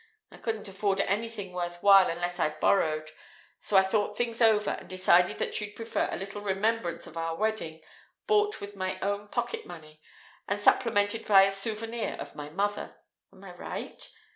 I couldn't afford anything worth while unless I borrowed; so I thought things over, and decided that you'd prefer a little remembrance of our wedding, bought with my own 'pocket money,' and supplemented by a souvenir of my mother. Am I right?"